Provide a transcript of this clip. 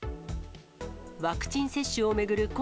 ワクチン接種を巡る